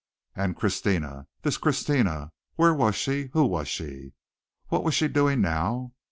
And Christina! This Christina!! Where was she? Who was she? What was she doing now?